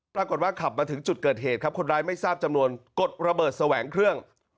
ปรากฏว่าขับมาถึงจุดเกิดเหตุครับคนร้ายไม่ทราบจำนวนกดระเบิดแสวงเครื่อง